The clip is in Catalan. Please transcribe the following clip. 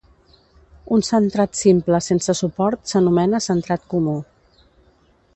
Un centrat simple sense suport s'anomena centrat comú.